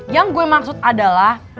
yang gue maksud adalah